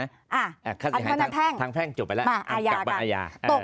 อ่าค่าศิษยาทางแพ่งทางแพ่งจบไปแล้วมาอายาการกลับมาอายาการ